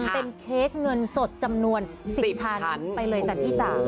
เป็นเค้กเงินสดจำนวน๑๐ชั้นไปเลยจ้ะพี่จ๋า